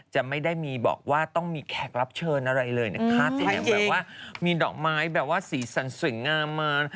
จะไม่ได้มีบอกว่าต้องมีแขกรับเชิญอะไรเลยนะคะแถมแบบว่ามีดอกไม้แบบว่าสีสันสวยงามมา